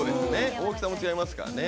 大きさも違いますからね。